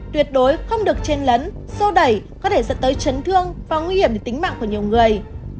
tuyệt đối không được chen lấn sô đẩy có thể dẫn tới chấn thương và nguy hiểm đến tính mạng của nhiều người